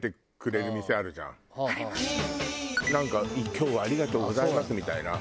「今日はありがとうございます」みたいな。